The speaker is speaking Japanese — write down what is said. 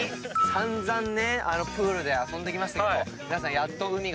散々プールで遊んできましたけど皆さんやっと海が間近に。